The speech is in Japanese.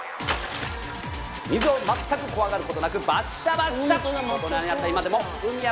水を全く怖がることなくバッシャバッシャ！